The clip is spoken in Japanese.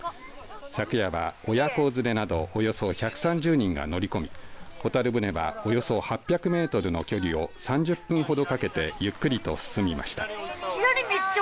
昨夜は、親子連れなどおよそ１３０人が乗り込みホタル舟は、およそ８００メートルの距離を３０分ほどかけてゆっくりと進みました。